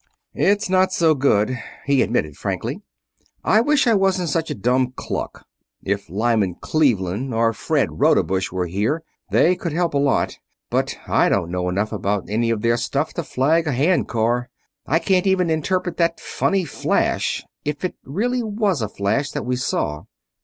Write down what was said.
"It's not so good," he admitted frankly. "I wish I wasn't such a dumb cluck if Lyman Cleveland or Fred Rodebush were here they could help a lot, but I don't know enough about any of their stuff to flag a hand car. I can't even interpret that funny flash if it really was a flash that we saw."